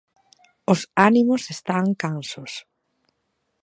Os ánimos están cansos.